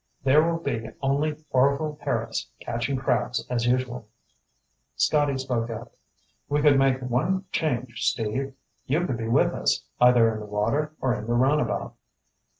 There will be only Orvil Harris catching crabs as usual." Scotty spoke up. "We could make one change, Steve. You could be with us, either in the water or in the runabout."